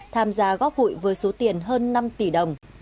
tham gia góp hụi với số tiền hơn năm tỷ đồng